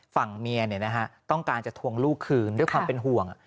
ฝั่งเมียต้องการจะทวงลูกคืนด้วยความเป็นห่วง